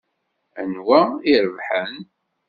Anwa i irebḥen?